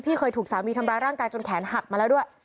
เคยถูกสามีทำร้ายร่างกายจนแขนหักมาแล้วด้วย